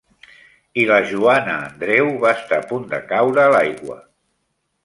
I la Joana Andreu va estar a punt de caure a l'aigua.